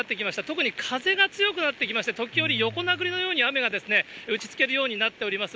特に風が強くなってきまして、時折、横殴りのように、雨がですね、打ちつけるようになっております。